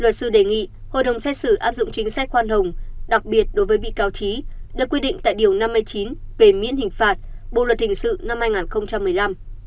luật sư đề nghị hội đồng xét xử áp dụng chính sách khoan hồng đặc biệt đối với bị cáo trí được quy định tại điều năm mươi chín về miễn hình phạt bộ luật hình sự năm hai nghìn một mươi năm